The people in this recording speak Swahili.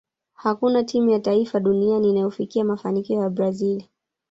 hakuna timu ya taifa duniani inayofikia mafanikio ya brazil